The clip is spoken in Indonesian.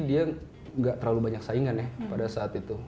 dia nggak terlalu banyak saingan ya pada saat itu